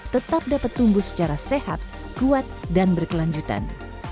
tetap dapat tumbuh secara sehat kuat dan berkelanjutan